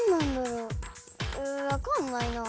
うわかんないなぁ。